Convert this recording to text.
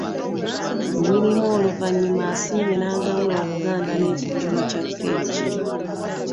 Nnyinimu oluvannyuma asiimye n'agabula Obuganda n'ekijjulo kya Cceeki